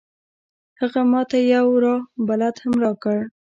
هغه ما ته یو راه بلد هم راکړ.